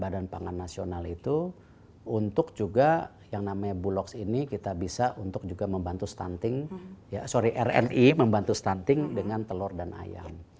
badan pangan nasional itu untuk juga yang namanya bulog ini kita bisa untuk juga membantu stunting ya sorry rni membantu stunting dengan telur dan ayam